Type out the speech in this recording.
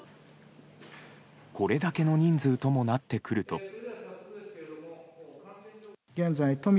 これだけの人数ともなってくると。